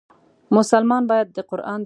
مسلمان باید د قرآن د لارښوونو پیروي وکړي.